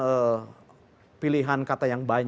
ya politik memberikan pilihan kata yang banyak